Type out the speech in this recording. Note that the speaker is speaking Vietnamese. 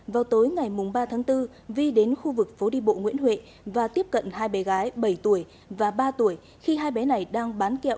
vào tối ngày ba tháng bốn vi đến khu vực phố đi bộ nguyễn huệ và tiếp cận hai bé gái bảy tuổi và ba tuổi khi hai bé này đang bán kẹo